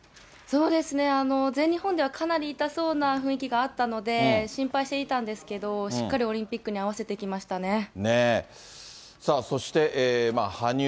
そうですね、全日本では、かなり痛そうな雰囲気があったので、心配していたんですけど、しっかりオリンピックに合わせてきましたね。